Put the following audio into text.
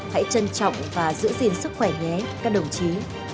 hãy trân trọng và giữ gìn sức khỏe nhé các đồng chí